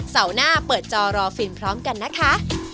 เสาร์หน้าเปิดจอรอฟินพร้อมกันนะคะ